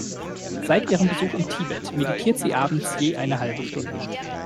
Seit ihrem Besuch in Tibet meditiert sie abends je eine halbe Stunde.